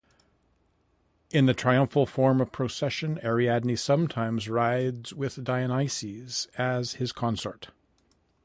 In the triumphal form of procession, Ariadne sometimes rides with Dionysus as his consort.